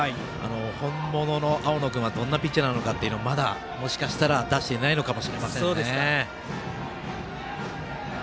本物の青野君はどんなピッチャーなのかというのをまだ出していないのかもしれませんね。